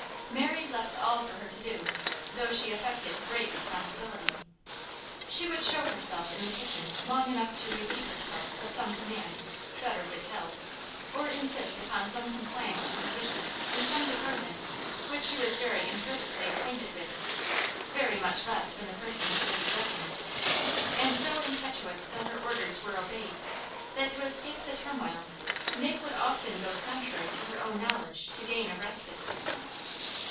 Mary left all for her to do, though she affected great responsibility. She would show herself in the kitchen long enough to relieve herself of some command, better withheld; or insist upon some compliance to her wishes in some department which she was very imperfectly acquainted with, very much less than the person she was addressing; and so impetuous till her orders were obeyed, that to escape the turmoil, Nig would often go contrary to her own knowledge to gain a respite.